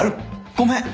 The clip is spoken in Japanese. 「ごめん！